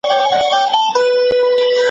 مثبت لید ستاسو د رواني روغتیا لپاره ښه دی.